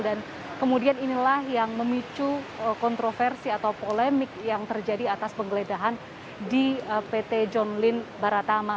dan kemudian inilah yang memicu kontroversi atau polemik yang terjadi atas penggeledahan di pt john lynn baratama